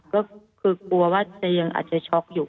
ก็คือกลัวว่าจะยังอาจจะช็อกอยู่